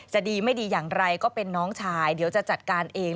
จะดีไม่ดีอย่างไรก็เป็นน้องชายเดี๋ยวจะจัดการเอง